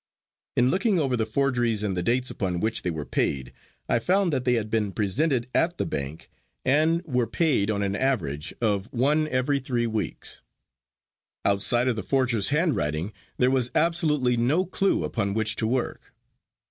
In looking over the forgeries and the dates upon which they were paid, I found that they had been presented at the bank and were paid, on an average, of one every three weeks. Outside of the forger's handwriting, there was absolutely no clue upon which to work.